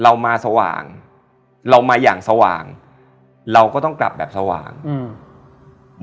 เรามาสว่างเรามาอย่างสว่างเราก็ต้องกลับแบบสว่างอืม